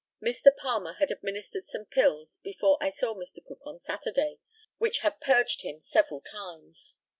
Mr Palmer had administered some pills before I saw Mr. Cook on Saturday, which had purged him several times.